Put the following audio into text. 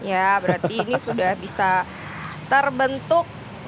ya berarti ini sudah bisa terbentuk